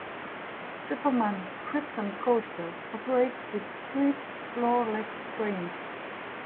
"Superman: Krypton Coaster" operates with three floorless trains.